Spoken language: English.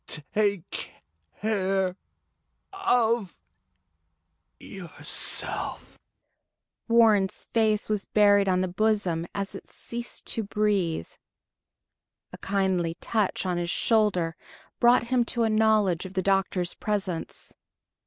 Take ... care ... of ... yourself." Warren's face was buried on the bosom as it ceased to breathe. A kindly touch on his shoulder brought him to a knowledge of the doctor's presence.